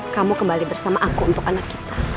kamu kembali bersama aku untuk anak kita